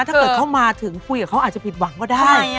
ถ้าเกิดเขามาถึงคุยกับเขาอาจจะผิดหวังก็ได้